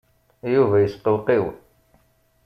Yuba yesqewqiw.